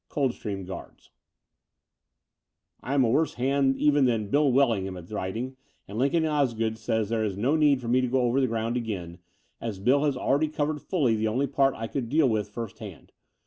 Coldstream Guards I am a worse hand even than Bill Wellmgham at writing ; and Lincoln Osgood says that there is no need for me to go over the ground again, as Bill has already covered fully the only part I could deal with first hand.